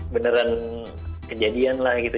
beneran kejadian lah gitu